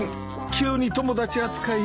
急に友達扱いして。